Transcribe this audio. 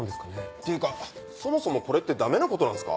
っていうかそもそもこれってダメなことなんすか？